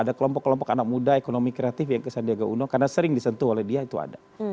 ada kelompok kelompok anak muda ekonomi kreatif yang ke sandiaga uno karena sering disentuh oleh dia itu ada